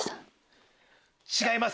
違います。